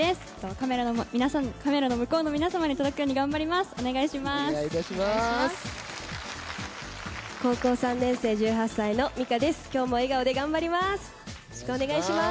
カメラの前の向こうの皆さまに届くように頑張ります。